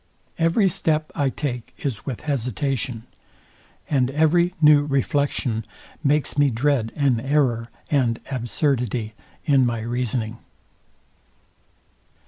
Every step I take is with hesitation, and every new reflection makes me dread an error and absurdity in my reasoning.